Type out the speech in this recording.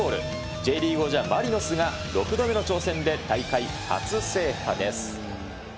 Ｊリーグ王者、マリノスが６度目の挑戦で、大会初制覇です。